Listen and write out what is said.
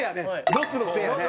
ロスのせいやね。